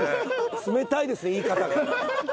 冷たいです言い方。